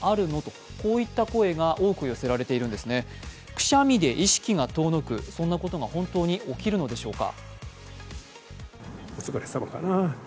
くしゃみで意識が遠のく、そんなことが本当に起きるのでしょうか？